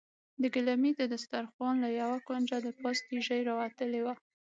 د ګيلمي دسترخوان له يوه کونجه د پاستي ژۍ راوتلې وه.